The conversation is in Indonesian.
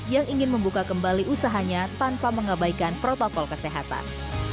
yang ingin membuka kembali usahanya tanpa mengabaikan protokol kesehatan